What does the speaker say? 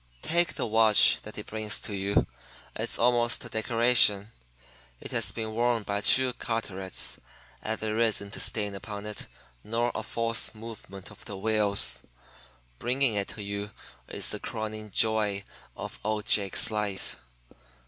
Take the watch that he brings you it's almost a decoration. It has been worn by true Carterets, and there isn't a stain upon it nor a false movement of the wheels. Bringing it to you is the crowning joy of old Jake's life.